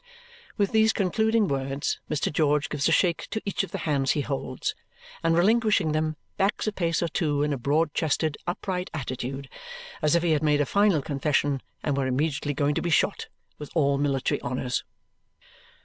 With these concluding words, Mr. George gives a shake to each of the hands he holds, and relinquishing them, backs a pace or two in a broad chested, upright attitude, as if he had made a final confession and were immediately going to be shot with all military honours.